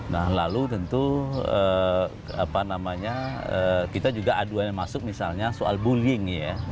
nah lalu tentu apa namanya kita juga aduan yang masuk misalnya soal bullying ya